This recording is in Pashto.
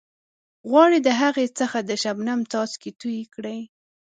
غواړئ د هغې څخه د شبنم څاڅکي توئ کړئ.